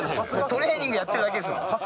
トレーニングやってるだけですもん。